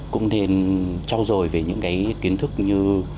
cũng nên trau dồi về những cái kiến thức như